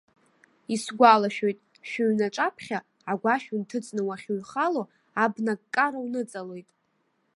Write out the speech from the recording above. Исгәалашәоит, шәыҩны аҿаԥхьа, агәашә унҭыҵны уахьыҩхало, абна-ккара уныҵалоит.